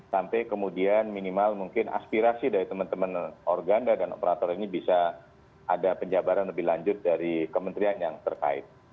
sampai kemudian minimal mungkin aspirasi dari teman teman organda dan operator ini bisa ada penjabaran lebih lanjut dari kementerian yang terkait